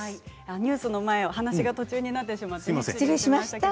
ニュースの前、お話が途中になってしまって失礼しました。